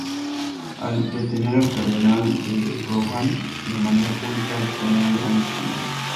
Al detener al cardenal de Rohan de manera pública estalla un gran escándalo.